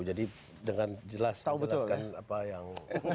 jadi dengan jelas menjelaskan apa yang